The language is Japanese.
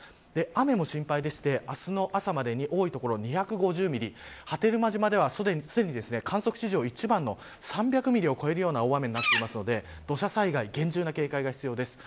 雨も心配でして、明日の朝までに多い所２５０ミリ波照間島ではすでに、観測史上一番の３００ミリを超えるような大雨になっているので土砂災害厳重な警戒が必要です。